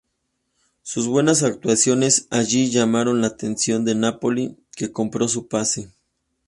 Sus buenas actuaciones allí llamaron la atención del Nápoli, que compró su pase.